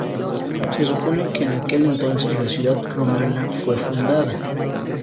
Se supone que en aquel entonces la ciudad romana fue fundada.